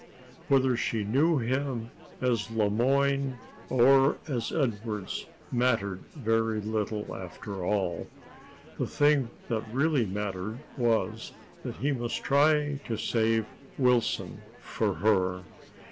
Whether she knew him as Le Moyne or as Edwardes mattered very little, after all. The thing that really mattered was that he must try to save Wilson for her.